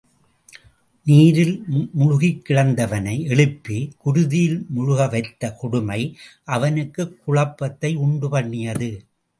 நீரில் முழுகிக் கிடந்தவனை எழுப்பிக் குருதியில் முழுகவைத்த கொடுமை அவனுக்குக் குழப்பத்தை உண்டு பண்ணியது.